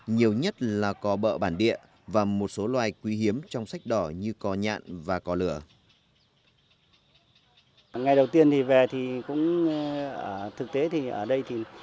nhiều nhất là cò bợ bản địa và một số loài quý hiếm trong sách đỏ như cò nhạn và cỏ lửa